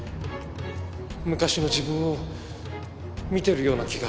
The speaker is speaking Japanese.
昔の自分を見てるような気がして。